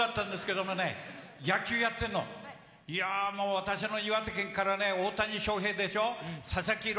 私の岩手県から大谷翔平、佐々木朗